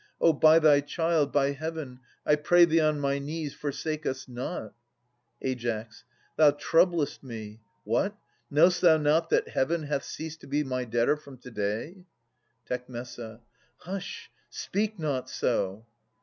Oh, by thy child, by Heaven, I pray thee on my knees, forsake us not ! Ai. Thou troubles! me. What ! know'st th«iu not that Heaven Hath ceased to be my debtor from to day? Tec. Hush ! Speak not so.